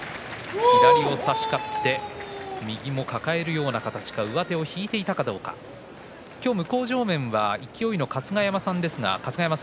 左を差し勝って右を抱えるような形から上手を引いていたかどうか向正面は勢の春日山さんです。